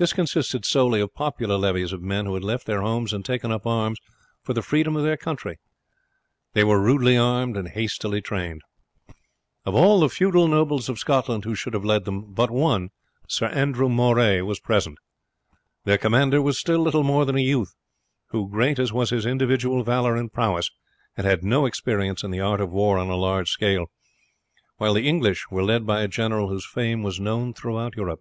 This consisted solely of popular levies of men who had left their homes and taken up arms for the freedom of their country. They were rudely armed and hastily trained. Of all the feudal nobles of Scotland who should have led them, but one, Sir Andrew Moray, was present. Their commander was still little more than a youth, who, great as was his individual valour and prowess, had had no experience in the art of war on a large scale; while the English were led by a general whose fame was known throughout Europe.